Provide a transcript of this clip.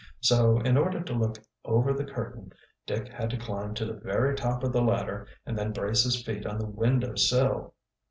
So, in order to look over the curtain, Dick had to climb to the very top of the ladder and then brace his feet on the window sill.